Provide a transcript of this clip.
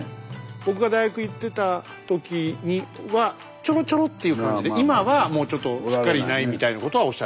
僕が大学行ってた時にはちょろちょろっていう感じで今はもうちょっとすっかりいないみたいなことはおっしゃってましたね。